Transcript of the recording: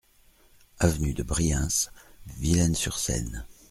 Avenue de Briens, Villennes-sur-Seine